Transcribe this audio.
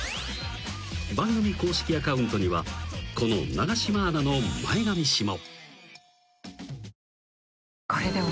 ［番組公式アカウントにはこの永島アナの前髪史も］